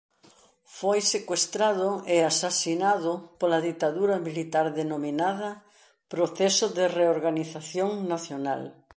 Foi secuestrado e asasinado pola ditadura militar denominada Proceso de Reorganización Nacional.